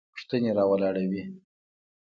پوښتنې راولاړوي.